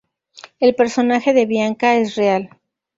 El personaje de Bianca es real.